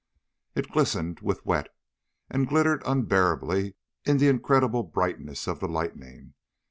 It glistened with wet, and glittered unbearably in the incredible brightness of the lightning.